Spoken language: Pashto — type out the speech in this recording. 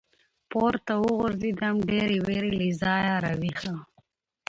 پـورتـه وغورځـېدم ، ډېـرې وېـرې له ځايـه راويـښه.